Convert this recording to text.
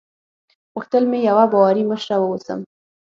غوښتل مې یوه باوري مشره واوسم.